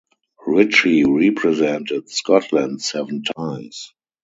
Ritchie represented Scotland seven times.